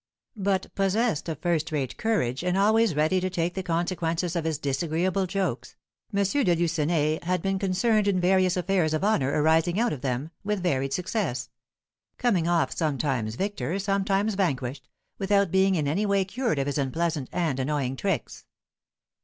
But possessed of first rate courage, and always ready to take the consequences of his disagreeable jokes, M. de Lucenay had been concerned in various affairs of honour arising out of them, with varied success; coming off sometimes victor, sometimes vanquished, without being in any way cured of his unpleasant and annoying tricks.